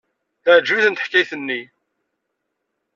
Teɛjeb-itent teḥkayt-nni.